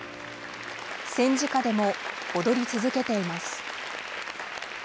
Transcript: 戦時下でも踊り続けています。